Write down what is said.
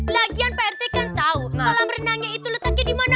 lagian pak rete kan tau kolam renangnya itu letaknya dimana